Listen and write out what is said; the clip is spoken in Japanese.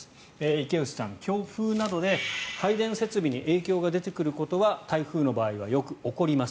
池内さん、強風などで配電設備に影響が出てくることは台風の場合よく起こります。